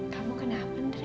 kamu kenapa ndre